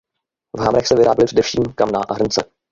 V hamrech se vyráběly především kamna a hrnce.